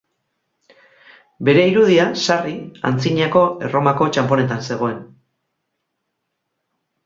Bere irudia, sarri, antzinako Erromako txanponetan zegoen.